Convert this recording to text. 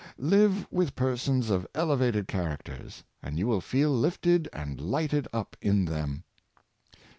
Live with per sons of elevated characters, and you will feel lifted and lighted up in them.